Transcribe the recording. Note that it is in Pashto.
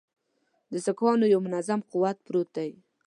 د سیکهانو یو منظم قوت پروت دی.